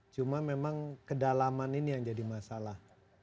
cuma memang kedalaman ini yang jadi masalah